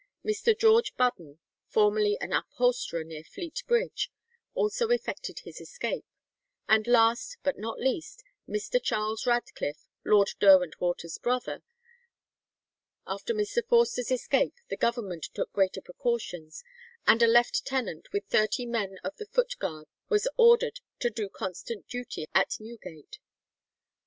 Mr. George Budden, formerly an upholsterer near Fleet Bridge, also effected his escape; and last, but not least, Mr. Charles Radcliffe, Lord Derwentwater's brother. After Mr. Forster's escape the Government took greater precautions, and a lieutenant with thirty men of the Foot Guards was ordered to do constant duty at Newgate.